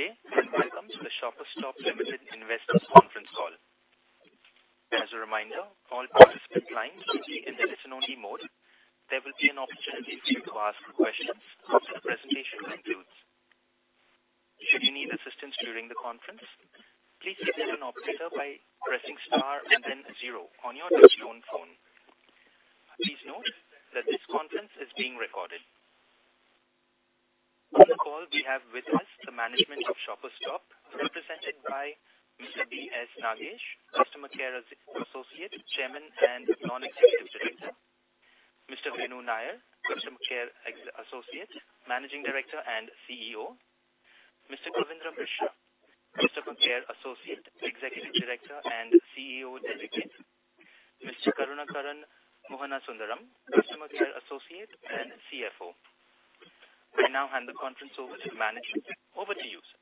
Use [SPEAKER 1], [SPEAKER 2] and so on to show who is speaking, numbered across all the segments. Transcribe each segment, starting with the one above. [SPEAKER 1] Good evening today and welcome to the Shoppers Stop Limited Investors Conference Call. As a reminder, all participant lines will be in listen-only mode. There will be an opportunity to ask questions once the presentation concludes. Should you need assistance during the conference, please signal an operator by pressing star and then zero on your touch-tone phone. Please note that this conference is being recorded. On the call, we have with us the management of Shoppers Stop, represented by Mr. B.S. Nagesh, Customer Care Associate, Chairman, and non-executive director, Mr. Venu Nair, Customer Care Associate, Managing Director, and CEO, Mr. Kavindra Mishra, Customer Care Associate, Executive Director, and CEO delegate, Mr. Karunakaran Mohanasundaram, Customer Care Associate and CFO. We now hand the conference over to management. Over to you, sir.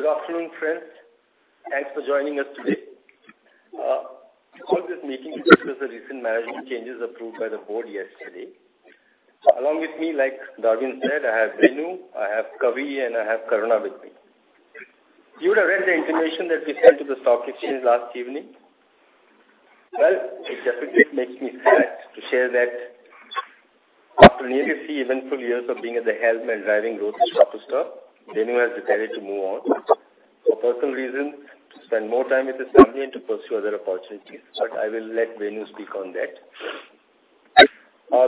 [SPEAKER 2] Good afternoon, friends. Thanks for joining us today. Hold this meeting because the recent management changes approved by the board yesterday. Along with me, like Gavin said, I have Venu, I have Kavi, and I have Karuna with me. You would have read the information that we sent to the stock exchange last evening. Well, it definitely makes me sad to share that after nearly three eventful years of being at the helm and driving growth to Shoppers Stop, Venu has decided to move on for personal reasons, to spend more time with his family, and to pursue other opportunities. But I will let Venu speak on that.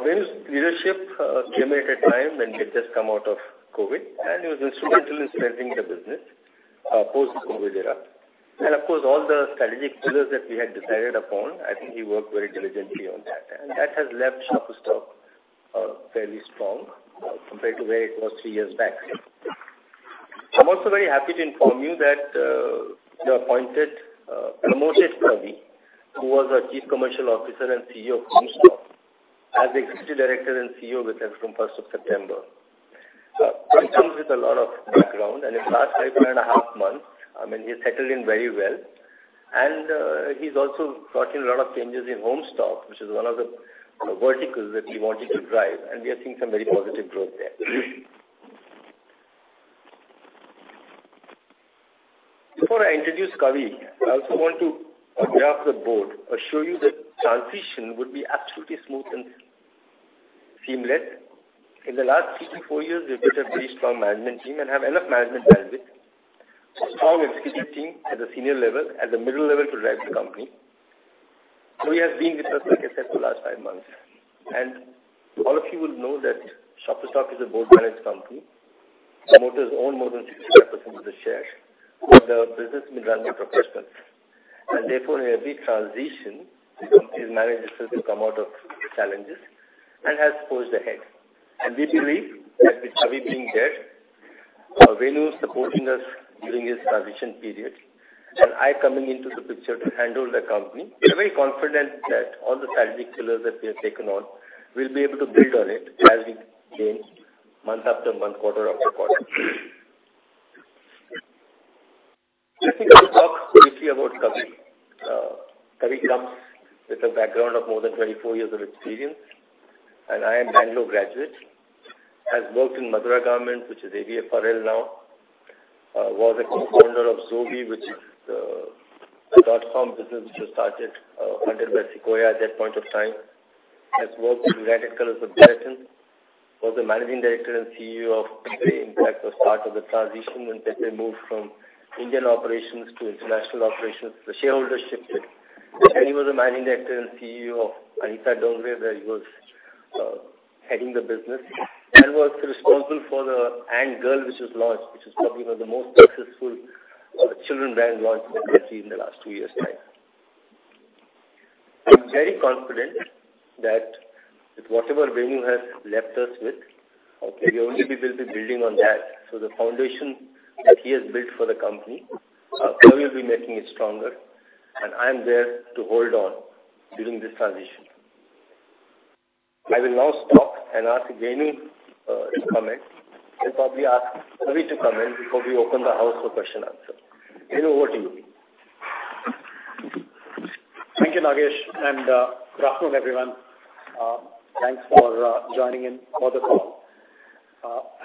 [SPEAKER 2] Venu's leadership came at a time when we had just come out of COVID, and he was instrumental in strengthening the business post-COVID era. Of course, all the strategic pillars that we had decided upon, I think he worked very diligently on that. That has left Shoppers Stop fairly strong compared to where it was three years back. I'm also very happy to inform you that we have appointed, promoted Kavi, who was our Chief Commercial Officer and CEO of HomeStop, as the Executive Director and CEO with us from first of September. He comes with a lot of background, and in the last five and a half months, I mean, he has settled in very well, and he's also brought in a lot of changes in HomeStop, which is one of the verticals that he wanted to drive, and we are seeing some very positive growth there. Before I introduce Kavi, I also want to, on behalf of the board, assure you that transition would be absolutely smooth and seamless. In the last 3-4 years, we've built a very strong management team and have enough management bandwidth. A strong executive team at the senior level, at the middle level to drive the company. So he has been with us, like I said, for the last 5 months, and all of you will know that Shoppers Stop is a board-managed company. Promoters own more than 60% of the shares, but the business is run by professionals, and therefore, every transition is managed to come out of challenges and has pushed ahead. And we believe that with Kavi being there, Venu supporting us during this transition period, and I coming into the picture to handle the company, we're very confident that all the strategic pillars that we have taken on, we'll be able to build on it as we change month after month, quarter after quarter. Let me now talk briefly about Kavi. Kavi comes with a background of more than 24 years of experience, and IIM Bangalore graduate. Has worked in Madura Garments, which is ABFRL now, was a co-founder of Zovi, which is a dot-com business, which was started, funded by Sequoia at that point of time. Has worked in United Colors of Benetton, was the Managing Director and CEO of Country Impact, the start of the transition when they moved from Indian operations to international operations, the shareholding shifted. He was the Managing Director and CEO of Anita Dongre, where he was heading the business, and was responsible for the AND Girl, which was launched, which is probably one of the most successful children brand launch that we have seen in the last two years time. I'm very confident that with whatever Venu has left us with, okay, we only will be building on that. The foundation that he has built for the company, Kavi will be making it stronger, and I'm there to hold on during this transition. I will now stop and ask Venu to comment, and probably ask Kavi to come in before we open the house for question and answer. Venu, over to you.
[SPEAKER 3] Thank you, Nagesh, and good afternoon, everyone. Thanks for joining in for the call.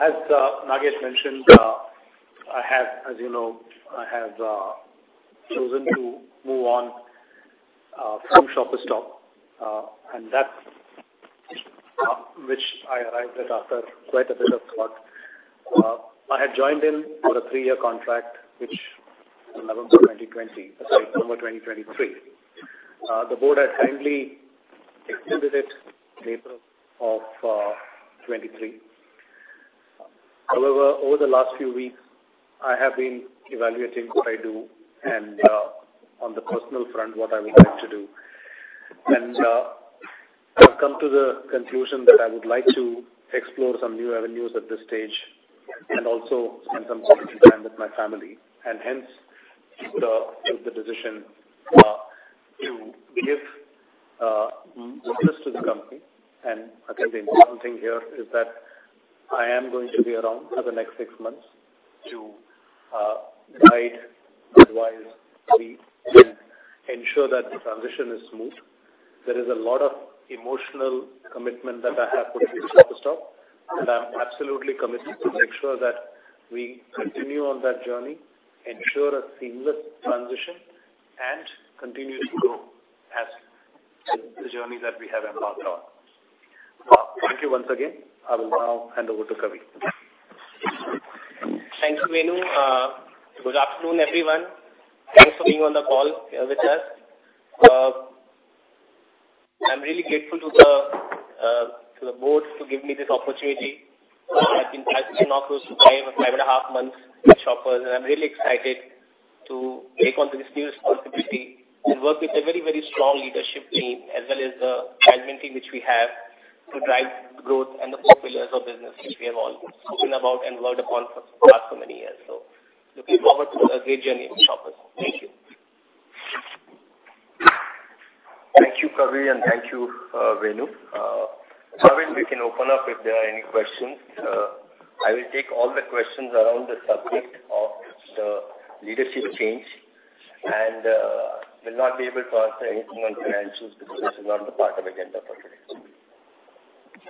[SPEAKER 3] As Nagesh mentioned, I have, as you know, I have chosen to move on from Shoppers Stop, and that's which I arrived at after quite a bit of thought. I had joined in on a three-year contract, which November 2020, sorry, November 2023. The board has kindly extended it April of 2023. However, over the last few weeks, I have been evaluating what I do and on the personal front, what I would like to do. I've come to the conclusion that I would like to explore some new avenues at this stage and also spend some quality time with my family, and hence take the decision to give focus to the company. And again, the important thing here is that I am going to be around for the next six months to guide-... We ensure that the transition is smooth. There is a lot of emotional commitment that I have put into Shoppers Stop, and I'm absolutely committed to make sure that we continue on that journey, ensure a seamless transition, and continue to grow as the journey that we have embarked on. Thank you once again. I will now hand over to Kavi.
[SPEAKER 4] Thank you, Venu. Good afternoon, everyone. Thanks for being on the call with us. I'm really grateful to the, to the board to give me this opportunity. I've been five and a half months with Shoppers, and I'm really excited to take on this new responsibility and work with a very, very strong leadership team, as well as the admin team, which we have, to drive growth and the four pillars of business, which we have all spoken about and worked upon for so many years. So looking forward to a great journey with Shoppers. Thank you.
[SPEAKER 2] Thank you, Kavi, and thank you, Venu. Gavin, we can open up if there are any questions. I will take all the questions around the subject of the leadership change, and will not be able to answer anything on financials, because this is not the part of agenda for today.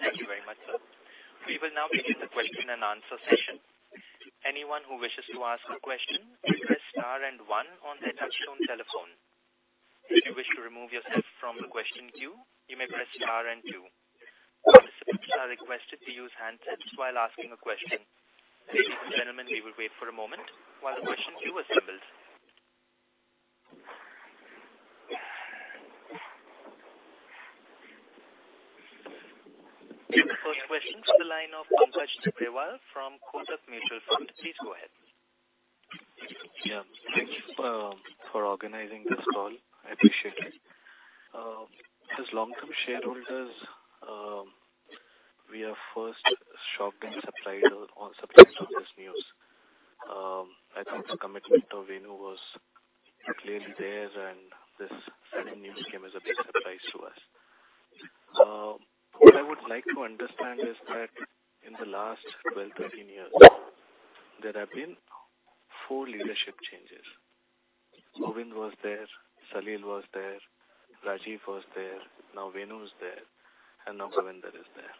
[SPEAKER 1] Thank you very much, sir. We will now begin the question and answer session. Anyone who wishes to ask a question, press star and one on their touchtone telephone. If you wish to remove yourself from the question queue, you may press star and two. Participants are requested to use handsets while asking a question. Ladies and gentlemen, we will wait for a moment while the question queue assembles. The first question is from the line of Dhanraj Agrawal from Kotak Mutual Fund. Please go ahead.
[SPEAKER 5] Yeah. Thank you for organizing this call. I appreciate it. As long-term shareholders, we are first shocked and surprised on surprise of this news. I think the commitment of Venu was clearly there, and this sudden news came as a big surprise to us. What I would like to understand is that in the last 12, 13 years, there have been 4 leadership changes. Govind was there, Salil was there, Rajiv was there, now Venu is there, and now Kavindra is there.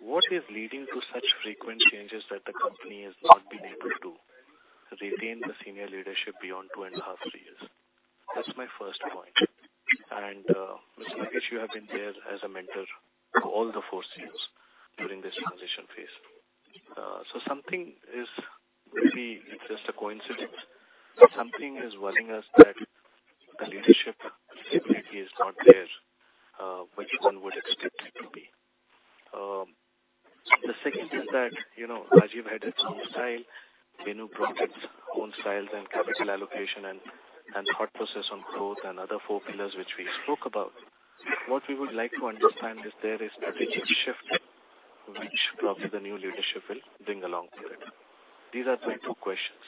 [SPEAKER 5] What is leading to such frequent changes that the company has not been able to retain the senior leadership beyond 2.5, 3 years? That's my first point. Mr. Nagesh, you have been there as a mentor to all the 4 CEOs during this transition phase. So something is, maybe it's just a coincidence, something is worrying us that the leadership stability is not there, which one would expect it to be. The second is that, you know, Rajiv had his own style, Venu brought his own style and capital allocation and, and thought process on growth and other four pillars, which we spoke about. What we would like to understand is there a strategic shift, which probably the new leadership will bring along with it? These are my two questions.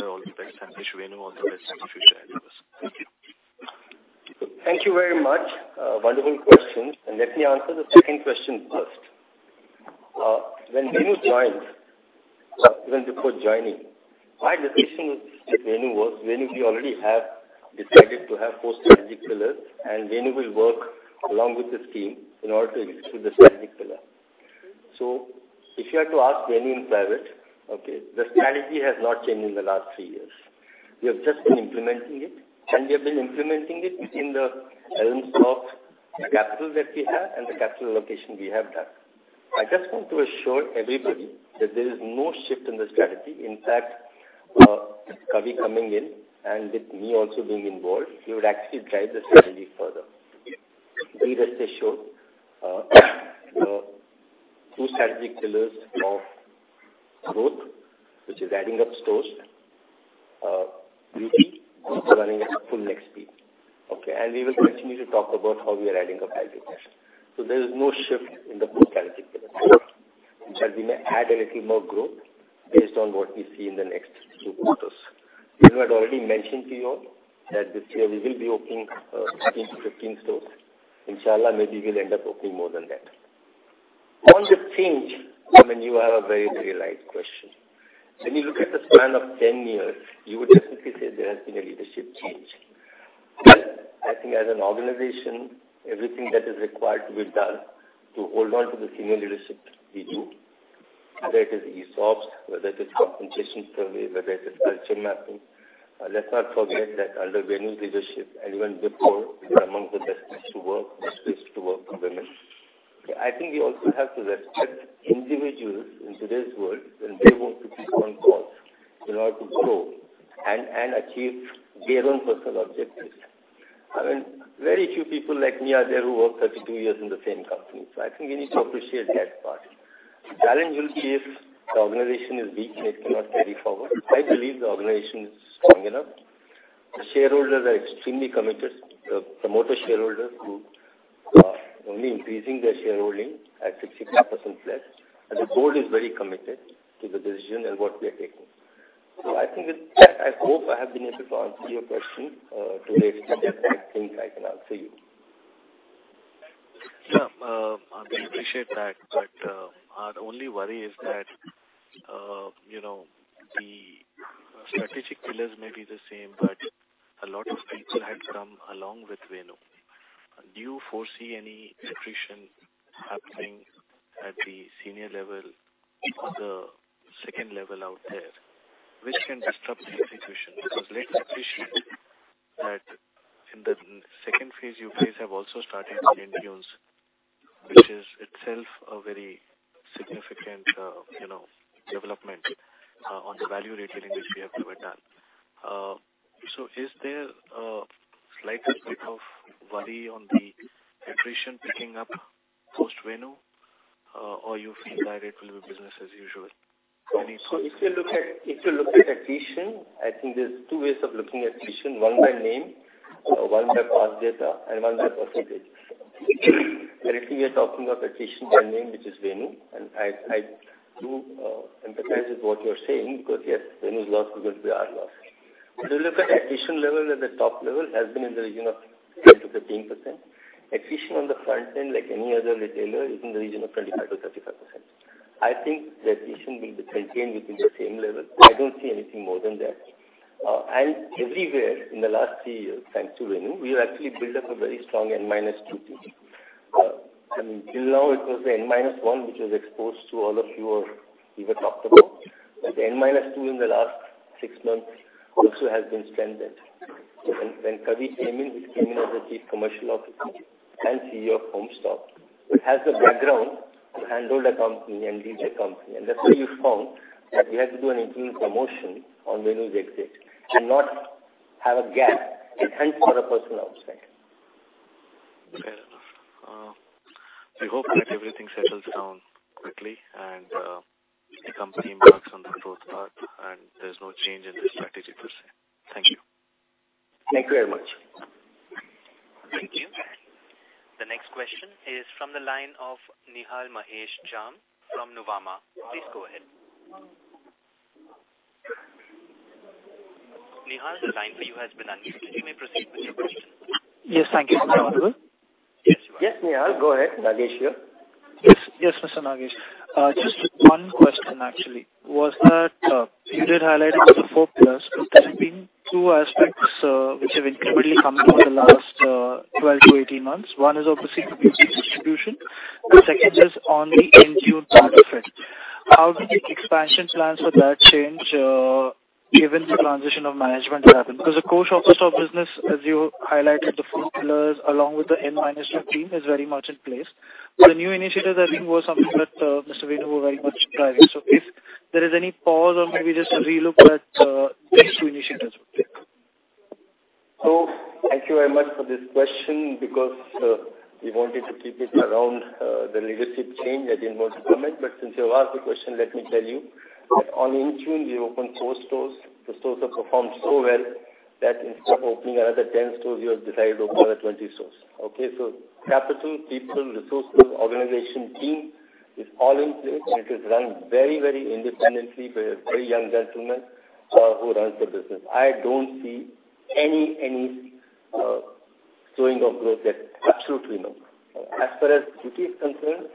[SPEAKER 5] All the best, and wish Venu all the best in the future endeavors. Thank you.
[SPEAKER 2] Thank you very much. Wonderful questions, and let me answer the second question first. When Venu joined, even before joining, my decision with Venu was, Venu, we already have decided to have four strategic pillars, and Venu will work along with this team in order to execute the strategic pillar. So if you had to ask Venu in private, okay, the strategy has not changed in the last three years. We have just been implementing it, and we have been implementing it in the realms of the capital that we have and the capital allocation we have done. I just want to assure everybody that there is no shift in the strategy. In fact, Kavi coming in and with me also being involved, he would actually drive the strategy further. We rest assured, the two strategic pillars of growth, which is adding up stores, running at full next speed, okay? We will continue to talk about how we are adding up as a test. There is no shift in the growth strategy, which has been add a little more growth based on what we see in the next 2 quarters. Venu had already mentioned to you all that this year we will be opening 15 stores. Inshallah, maybe we'll end up opening more than that. On the change, I mean, you have a very, very right question. When you look at the span of 10 years, you would definitely say there has been a leadership change. I think as an organization, everything that is required to be done to hold on to the senior leadership, we do. Whether it is ESOPs, whether it is compensation survey, whether it is culture mapping. Let's not forget that under Venu's leadership and even before, we are among the best place to work, best place to work for women. I think we also have to respect individuals in today's world when they want to be on course in order to grow and, and achieve their own personal objectives. I mean, very few people like me are there who work 32 years in the same company, so I think we need to appreciate that part. The challenge will be if the organization is weak, and it cannot carry forward. I believe the organization is strong enough. The shareholders are extremely committed. The promoter shareholders who are only increasing their shareholding at 65% plus, and the board is very committed to the decision and what we are taking. I think with that, I hope I have been able to answer your question to the extent I think I can answer you....
[SPEAKER 5] We appreciate that, but our only worry is that, you know, the strategic pillars may be the same, but a lot of people had come along with Venu. Do you foresee any attrition happening at the senior level or the second level out there, which can disrupt the execution? Because let's appreciate that in the second phase, you guys have also started Intune, which is itself a very significant, you know, development on the value retailing, which we have never done. So is there a slight bit of worry on the attrition picking up post-Venu, or you feel that it will be business as usual?
[SPEAKER 2] So if you look at, if you look at attrition, I think there's two ways of looking at attrition, one by name, one by past data and one by percentage. Currently, we are talking of attrition by name, which is Venu, and I, I do empathize with what you are saying, because, yes, Venu's loss is going to be our loss. If you look at attrition level at the top level has been in the region of 10%-13%. Attrition on the front end, like any other retailer, is in the region of 25%-35%. I think the attrition will be contained within the same level. I don't see anything more than that. And everywhere in the last three years, thanks to Venu, we have actually built up a very strong N minus two team. Till now it was the N minus one, which was exposed to all of you or we were talked about. But N minus two in the last six months also has been strengthened. When Kavi came in, he came in as a Chief Commercial Officer and CEO of HomeStop, who has the background to handle the company and lead the company. And that's why we found that we had to do an internal promotion on Venu's exit and not have a gap and hunt for a person outside.
[SPEAKER 5] Fair enough. We hope that everything settles down quickly and the company works on the growth path, and there's no change in the strategy per se. Thank you.
[SPEAKER 2] Thank you very much.
[SPEAKER 1] Thank you. The next question is from the line of Nihal Mahesh Jham from Nuvama. Please go ahead. Nihal, the line for you has been unmuted. You may proceed with your question.
[SPEAKER 6] Yes, thank you. Am I audible?
[SPEAKER 2] Yes. Yes, Nihal, go ahead. Nagesh here.
[SPEAKER 6] Yes, yes, Mr. Nagesh. Just one question actually, was that, you did highlight the four pillars, but there have been two aspects, which have increasingly come through in the last 12-18 months. One is obviously beauty distribution, the second is on the Intune part of it. How did the expansion plans for that change, given the transition of management happened? Because the core Shoppers Stop business, as you highlighted, the four pillars, along with the N minus two team, is very much in place. The new initiatives, I think, were something that, Mr. Venu were very much driving. So if there is any pause or maybe just a relook at, these two initiatives.
[SPEAKER 2] So thank you very much for this question, because, we wanted to keep it around, the leadership change. I didn't want to comment, but since you asked the question, let me tell you. On Intune, we opened 4 stores. The stores have performed so well that instead of opening another 10 stores, we have decided to open another 20 stores. Okay, so capital, people, resources, organization, team is all in place, and it is run very, very independently by a very young gentleman, who runs the business. I don't see any, any, slowing of growth there. Absolutely no. As far as beauty is concerned,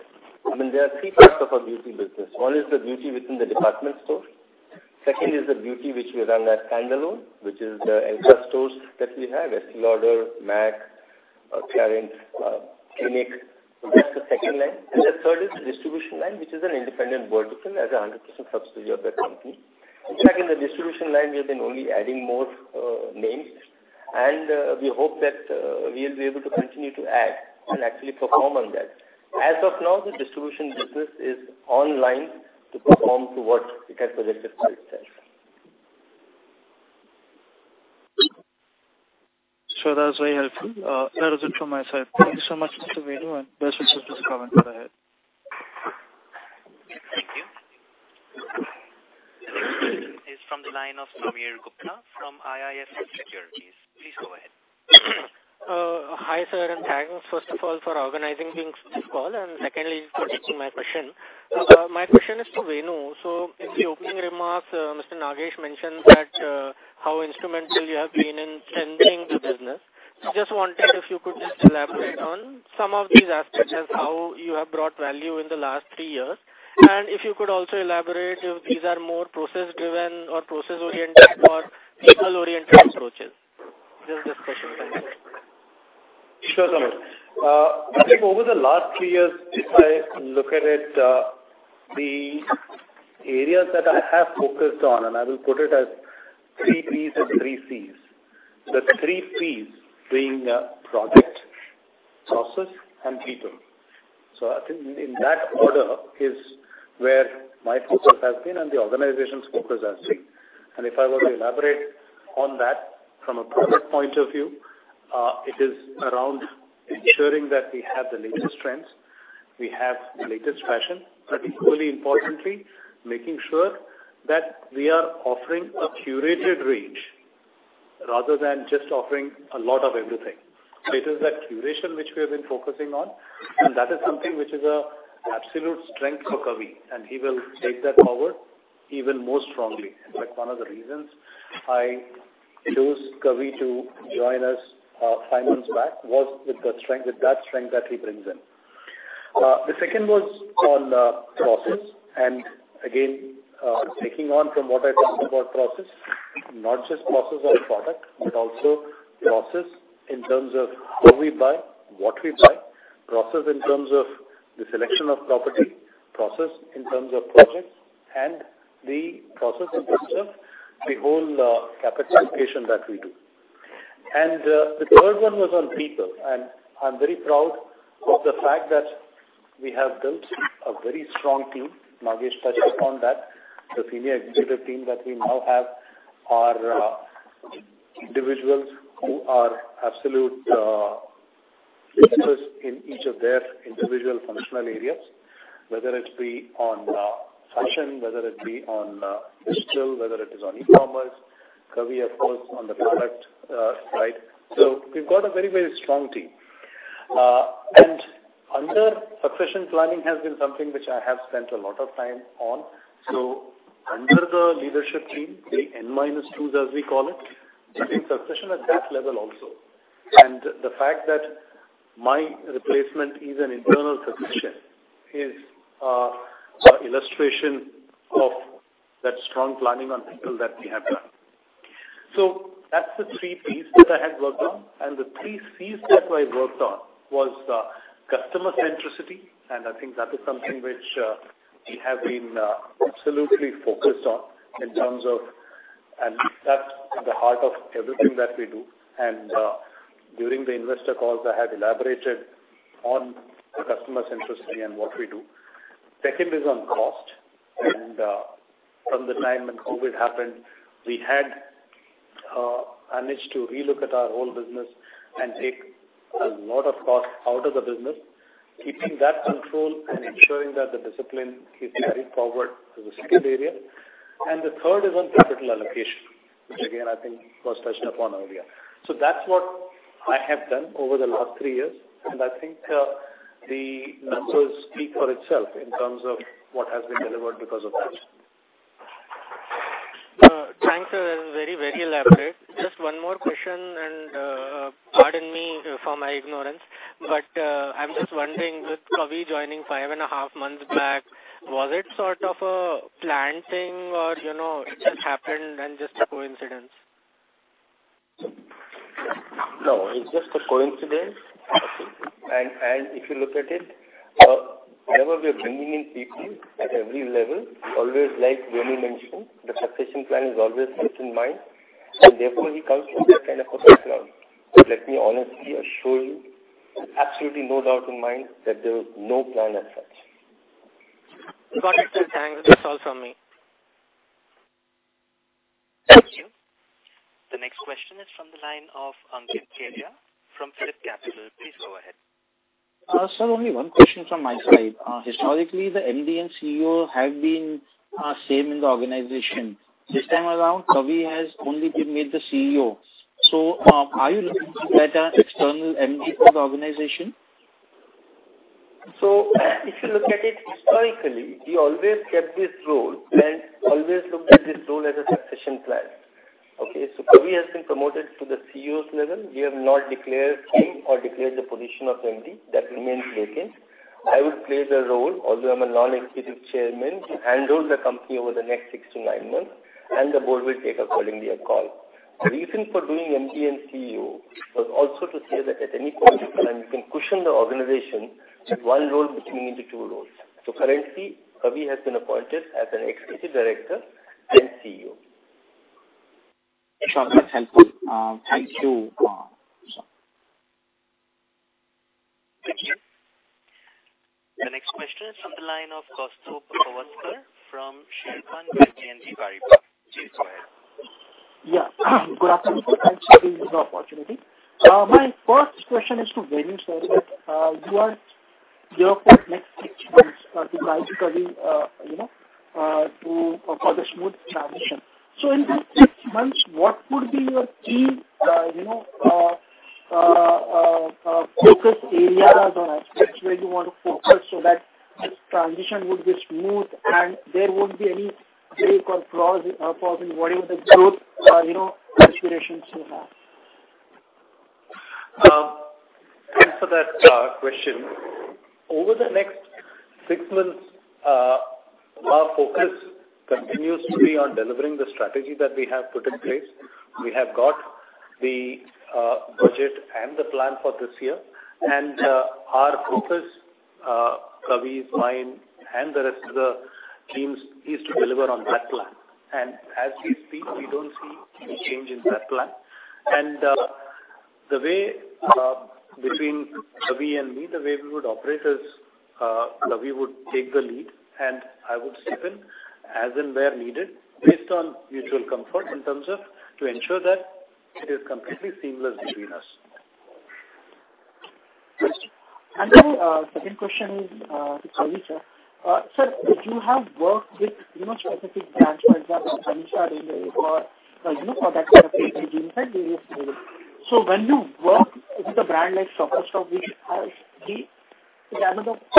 [SPEAKER 2] I mean, there are three parts of our beauty business. One is the beauty within the department store. Second is the beauty which we run as standalone, which is the N plus stores that we have, Estée Lauder, M.A.C., Clarins, Clinique. So that's the second line. And the third is the distribution line, which is an independent vertical as a 100% subsidiary of the company. In fact, in the distribution line, we have been only adding more names, and we hope that we will be able to continue to add and actually perform on that. As of now, the distribution business is online to perform to what it has projected for itself.
[SPEAKER 6] That was very helpful. That was it from my side. Thank you so much, Mr. Venu, and best wishes to the company ahead.
[SPEAKER 1] Thank you. The next question is from the line of Samir Gupta from ICICI Securities. Please go ahead.
[SPEAKER 7] Hi, sir, and thanks, first of all, for organizing this call, and secondly, for taking my question. My question is to Venu. So in the opening remarks, Mr. Nagesh mentioned that how instrumental you have been in strengthening the business. Just wanted if you could just elaborate on some of these aspects as how you have brought value in the last three years, and if you could also elaborate if these are more process-driven or process-oriented or people-oriented approaches. Just this question, thank you.
[SPEAKER 3] Sure, Samir. I think over the last three years, if I look at it, the areas that I have focused on, and I will put it as three P's and three C's. The three P's being, product, sources, and people. So I think in that order is where my focus has been and the organization's focus has been. And if I were to elaborate on that from a product point of view, it is around ensuring that we have the latest trends, we have the latest fashion, but equally importantly, making sure that we are offering a curated range rather than just offering a lot of everything. It is that curation which we have been focusing on, and that is something which is an absolute strength for Kavi, and he will take that forward.... even more strongly. In fact, one of the reasons I chose Kavi to join us five months back was with the strength, with that strength that he brings in. The second was on process. And again, taking on from what I talked about process, not just process on product, but also process in terms of who we buy, what we buy, process in terms of the selection of property, process in terms of projects, and the process in terms of the whole capitalization that we do. And the third one was on people, and I'm very proud of the fact that we have built a very strong team. Nagesh touched upon that. The senior executive team that we now have are individuals who are absolute leaders in each of their individual functional areas, whether it be on fashion, whether it be on digital, whether it is on e-commerce, Kavi, of course, on the product side. So we've got a very, very strong team. Under succession planning has been something which I have spent a lot of time on. Under the leadership team, the N-minus-two, as we call it, we bring succession at that level also. The fact that my replacement is an internal succession is an illustration of that strong planning on people that we have done. So that's the three Ps that I had worked on, and the three Cs that I worked on was, customer centricity, and I think that is something which, we have been, absolutely focused on in terms of... That's at the heart of everything that we do. During the investor calls, I have elaborated on the customer centricity and what we do. Second is on cost, and, from the time when COVID happened, we had, managed to relook at our whole business and take a lot of cost out of the business, keeping that control and ensuring that the discipline is carried forward to the skill area. The third is on capital allocation, which again, I think was touched upon earlier. That's what I have done over the last three years, and I think, the numbers speak for itself in terms of what has been delivered because of that.
[SPEAKER 7] Thanks, sir. Very, very elaborate. Just one more question, and, pardon me for my ignorance, but, I'm just wondering, with Kavi joining 5.5 months back, was it sort of a planned thing or, you know, it just happened and just a coincidence?
[SPEAKER 2] No, it's just a coincidence. And if you look at it, whenever we are bringing in people at every level, always, like Venu mentioned, the succession plan is always kept in mind, and therefore, he comes from that kind of a background. Let me honestly assure you, absolutely no doubt in mind, that there was no plan as such.
[SPEAKER 7] Got it, sir. Thanks. That's all from me.
[SPEAKER 1] Thank you. The next question is from the line of, Kalia from Phillip Capital. Please go ahead.
[SPEAKER 8] Sir, only one question from my side. Historically, the MD and CEO have been same in the organization. This time around, Kavi has only been made the CEO. So, are you looking at an external MD for the organization?
[SPEAKER 3] So if you look at it historically, we always kept this role and always looked at this role as a succession plan. Okay? So Kavi has been promoted to the CEO's level. We have not declared him or declared the position of MD. That remains vacant. I would play the role, although I'm a non-executive chairman, handle the company over the next 6-9 months, and the board will take accordingly a call. The reason for doing MD and CEO was also to say that at any point in time, you can cushion the organization with one role between the two roles. So currently, Kavi has been appointed as an executive director and CEO.
[SPEAKER 8] Sure, that's helpful. Thank you, sir.
[SPEAKER 1] Thank you. The next question is from the line of Kaustubh Pawaskar from Sharekhan by BNP Paribas. Please go ahead.
[SPEAKER 9] Yeah. Good afternoon. Thanks for giving this opportunity. My first question is to Venu, sir. You are here for the next six months to guide Kavi, you know, for the smooth transition. So in these six months, what would be your key, you know, focus areas or aspects where you want to focus so that this transition would be smooth and there won't be any way you call flaws, flaws in whatever the growth, you know, aspirations you have?
[SPEAKER 3] Thanks for that question. Over the next six months, our focus continues to be on delivering the strategy that we have put in place. We have got the budget and the plan for this year, and our focus, Kavi's, mine, and the rest of the teams, is to deliver on that plan. And as we speak, we don't see any change in that plan. And the way between Kavi and me, the way we would operate is, Kavi would take the lead, and I would step in as and where needed, based on mutual comfort, in terms of to ensure that it is completely seamless between us.
[SPEAKER 9] And then, second question is to Kavi, sir. Sir, you have worked with, you know, specific brands, for example, Peninsula or, you know, for that matter, so when you work with a brand like Shoppers Stop, which has the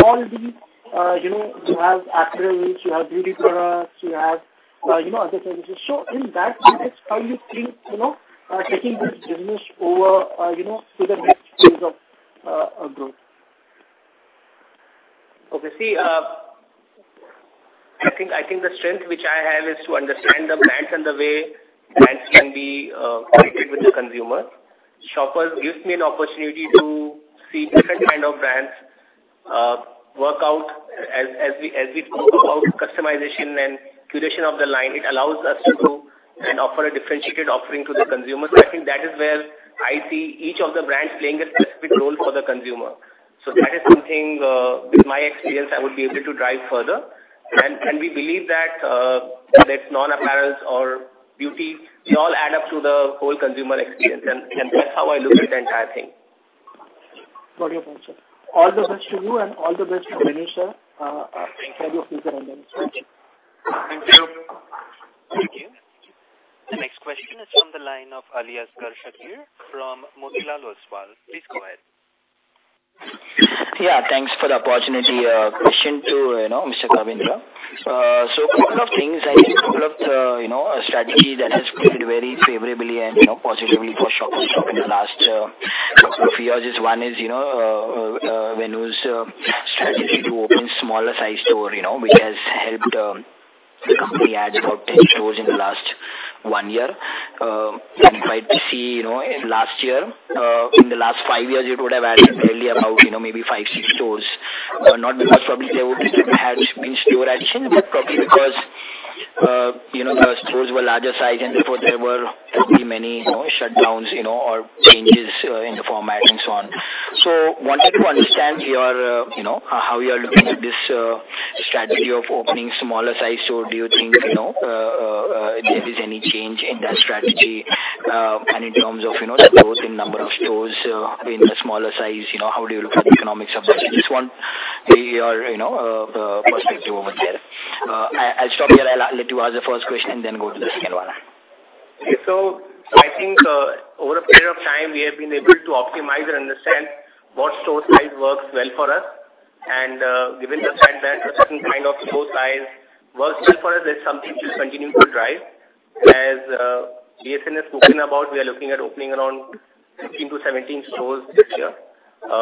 [SPEAKER 9] all the, you know, you have apparels, you have beauty products, you have, you know, other services. So in that context, how you think, you know, taking this business over, you know, to the next phase of growth?
[SPEAKER 4] Okay, see, I think, I think the strength which I have is to understand the brands and the way brands can be connected with the consumer. Shoppers gives me an opportunity to see different kind of brands work out as, as we, as we talk about customization and curation of the line, it allows us to go and offer a differentiated offering to the consumers. I think that is where I see each of the brands playing a specific role for the consumer. So that is something with my experience, I would be able to drive further. And, and we believe that whether it's non-apparel or beauty, they all add up to the whole consumer experience, and, and that's how I look at the entire thing.
[SPEAKER 9] Got your point, sir. All the best to you, and all the best to Venu.
[SPEAKER 4] Thank you.
[SPEAKER 9] for your future endeavors.
[SPEAKER 4] Thank you.
[SPEAKER 1] Thank you. The next question is from the line of Aliasgar Shakir from Motilal Oswal. Please go ahead.
[SPEAKER 10] Yeah, thanks for the opportunity, question to, you know, Mr. Kavindra. So a couple of things, I think a lot of the, you know, strategy that has played very favorably and, you know, positively for Shoppers Stop in the last, couple of years. One is, you know, when it was, strategy to open smaller size store, you know, which has helped, the company add about 10 stores in the last one year. And you see, you know, in last year, in the last 5 years, it would have added barely about, you know, maybe 5, 6 stores. Not because probably there would have been store addition, but probably because, you know, the stores were larger size, and therefore, there were probably many, you know, shutdowns, you know, or changes, in the format and so on. So wanted to understand your, you know, how you are looking at this, strategy of opening smaller size store. Do you think, you know, there is any change in that strategy? And in terms of, you know, the growth in number of stores, being a smaller size, you know, how do you look at the economics of this? I just want your, you know, perspective over there. I'll stop here. I'll let you answer the first question and then go to the second one.
[SPEAKER 4] So I think, over a period of time, we have been able to optimize and understand what store size works well for us. And, given the fact that a certain kind of store size works well for us, that's something we'll continue to drive. As JSN has spoken about, we are looking at opening around 16-17 stores this year,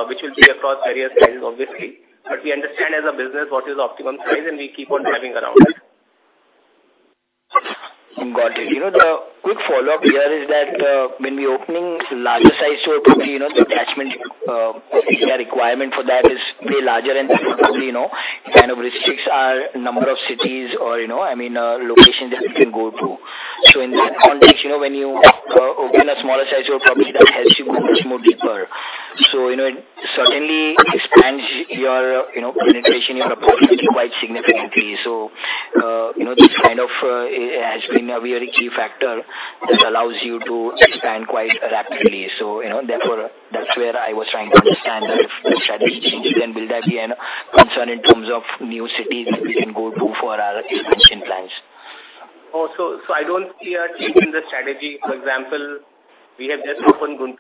[SPEAKER 4] which will be across various sizes, obviously. But we understand as a business what is optimum size, and we keep on driving around that.
[SPEAKER 10] Got it. You know, the quick follow-up here is that, when we're opening larger size store, probably, you know, the attachment, area requirement for that is way larger, and that probably, you know, kind of restricts our number of cities or, you know, I mean, locations that we can go to. So in that context, you know, when you, open a smaller size store, probably that helps you go much more deeper. So, you know, it certainly expands your, you know, penetration, your approach quite significantly. So, you know, this kind of, has been a very key factor that allows you to expand quite rapidly. So, you know, therefore, that's where I was trying to understand if the strategy changes, and will that be an concern in terms of new cities that we can go to for our expansion plans?
[SPEAKER 4] Oh, so, so I don't see a change in the strategy. For example, we have just opened Guntur.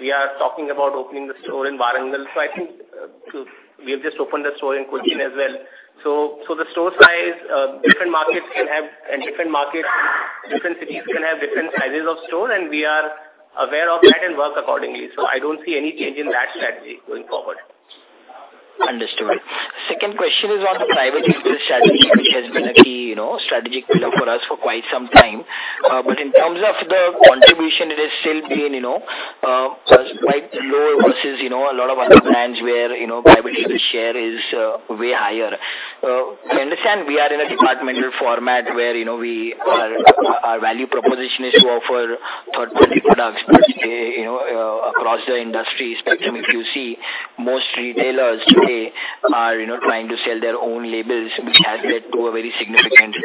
[SPEAKER 4] We are talking about opening the store in Warangal. So I think, we have just opened a store in Cochin as well. So, so the store size, different markets can have... And different markets, different cities can have different sizes of store, and we are aware of that and work accordingly. So I don't see any change in that strategy going forward.
[SPEAKER 10] Understood. Second question is on the private label strategy, which has been a key, you know, strategic pillar for us for quite some time. But in terms of the contribution, it has still been, you know, quite low versus, you know, a lot of other brands where, you know, private label share is way higher. We understand we are in a departmental format where, you know, we are—our value proposition is to offer third-party products. But, you know, across the industry spectrum, if you see, most retailers today are, you know, trying to sell their own labels, which has led to a very significant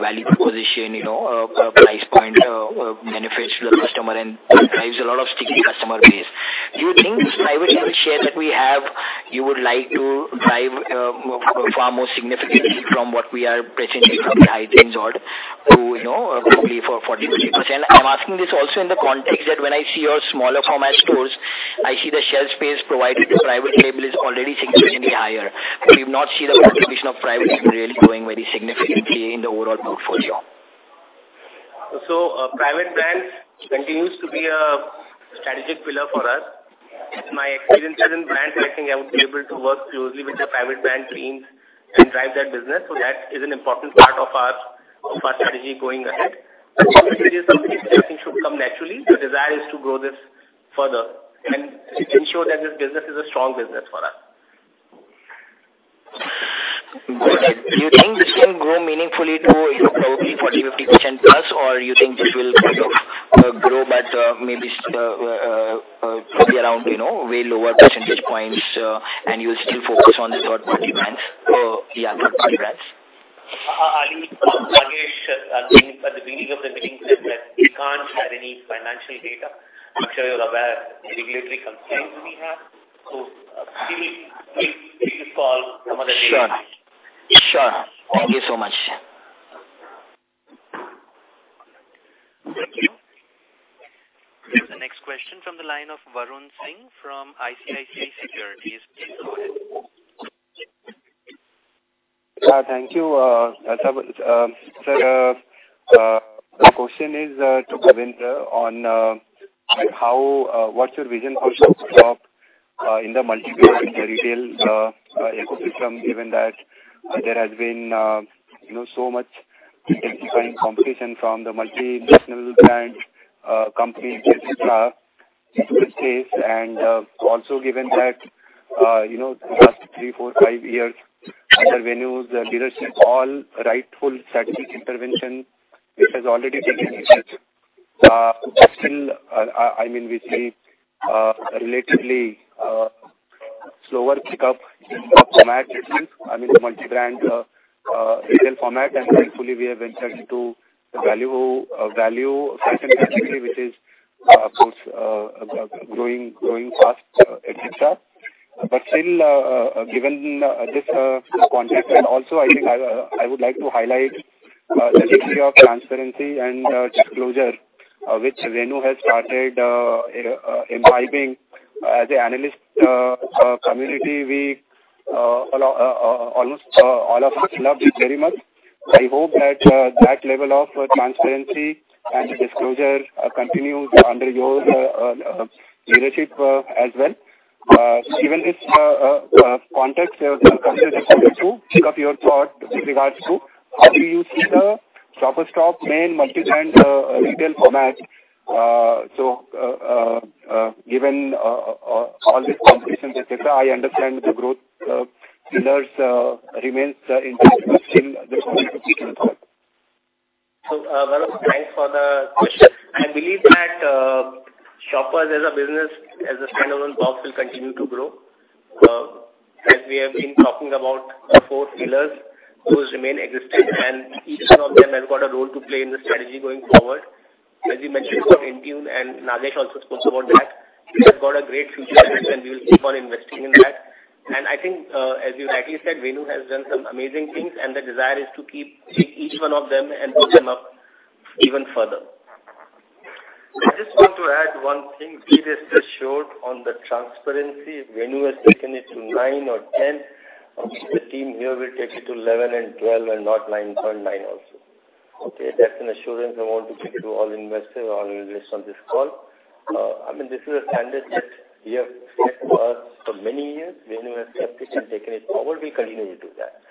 [SPEAKER 10] value proposition, you know, a price point, benefits to the customer and.drives a lot of sticky customer base. Do you think this private label share that we have, you would like to drive far more significantly from what we are presently, from the high tens or to, you know, probably for 40%-50%? I'm asking this also in the context that when I see your smaller format stores, I see the shelf space provided to private label is already significantly higher, but we've not seen the contribution of private label really growing very significantly in the overall portfolio.
[SPEAKER 4] Private brands continues to be a strategic pillar for us. In my experiences in brand building, I would be able to work closely with the private brand teams and drive that business. So that is an important part of our, of our strategy going ahead. But obviously, this is something I think should come naturally. The desire is to grow this further and ensure that this business is a strong business for us.
[SPEAKER 10] Got it. Do you think this can grow meaningfully to, you know, probably 40, 50% plus, or you think this will kind of grow, but maybe probably around, you know, way lower percentage points, and you'll still focus on the third-party brands? Yeah, third-party brands.
[SPEAKER 9] I, Nagesh, I think at the beginning of the meeting said that we can't share any financial data. I'm sure you're aware of the regulatory constraints we have. So, please, please call some other day.
[SPEAKER 10] Sure. Sure. Thank you so much....
[SPEAKER 1] The next question from the line of Varun Singh from ICICI Securities. Please go ahead.
[SPEAKER 11] Yeah, thank you, sir. The question is to Kavindra on how, what's your vision for Shoppers Stop in the multi-brand, in the retail ecosystem, given that there has been you know so much intensifying competition from the multi-national brand companies et cetera into the space. And also given that you know the last three, four, five years, under Venu's leadership, all rightful strategic intervention, which has already taken effect. But still, I mean, we see relatively slower pick up in the format itself, I mean, the multi-brand retail format, and thankfully, we have entered into the value value segment, which is, of course, growing, growing fast, et cetera. But still, given this context, and also I think I would like to highlight the degree of transparency and disclosure which Venu has started imbibing. As an analyst community, we almost all of us loved it very much. I hope that that level of transparency and disclosure continues under your leadership as well. Given this context, pick up your thought with regards to how do you see the Shoppers Stop main multi-brand retail format? So, given all this competition, et cetera, I understand the growth pillars remains in this call.
[SPEAKER 4] Varun, thanks for the question. I believe that, Shoppers as a business, as a standalone box, will continue to grow. As we have been talking about the four pillars, those remain existing, and each one of them has got a role to play in the strategy going forward. As you mentioned about Intune, and Nagesh also spoke about that, we have got a great future and we will keep on investing in that. I think, as you rightly said, Venu has done some amazing things, and the desire is to keep each one of them and build them up even further.
[SPEAKER 2] I just want to add one thing. Rest assured on the transparency, Venu has taken it to 9 or 10. The team here will take it to 11 and 12 and not 9.9 also. Okay? That's an assurance I want to give to all investors, all investors on this call. I mean, this is a standard that we have set for us for many years. Venu has kept it and taken it forward. We continue to do that.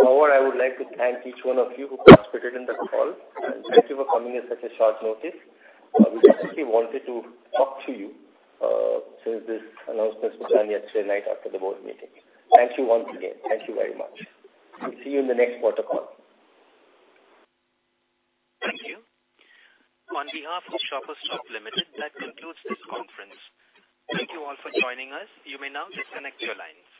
[SPEAKER 2] However, I would like to thank each one of you who participated in the call, and thank you for coming in such a short notice. We actually wanted to talk to you, since this announcement was done yesterday night after the board meeting. Thank you once again. Thank you very much. See you in the next quarter call.
[SPEAKER 1] Thank you. On behalf of Shoppers Stop Limited, that concludes this conference. Thank you all for joining us. You may now disconnect your line.